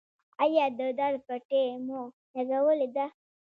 ایا د درد پټۍ مو لګولې ده؟